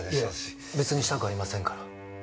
いえ別にしたくありませんから。